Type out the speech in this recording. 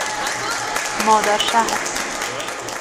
مادرشهر